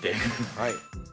はい。